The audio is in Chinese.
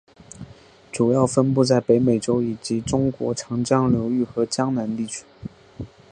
主要分布在北美洲以及中国长江流域和江南地区。